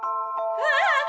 うわっ！